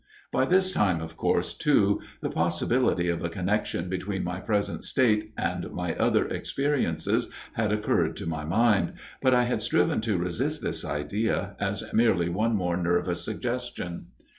By this time, of course, too, the possibility of a connexion between my present state and my other experiences had occurred to my mind ; but I had striven to resist this idea as merely one more nervous suggestion.